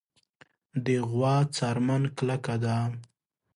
د غوا څرمن کلکه ده.